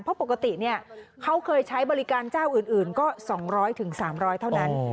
เพราะปกติเขาเคยใช้บริการเจ้าอื่นก็๒๐๐๓๐๐เท่านั้น